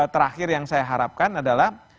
terakhir yang saya harapkan adalah